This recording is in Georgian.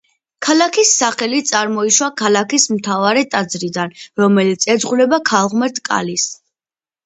ქალაქის სახელი წარმოიშვა ქალაქის მთავარი ტაძრიდან, რომელიც ეძღვნება ქალღმერთ კალის.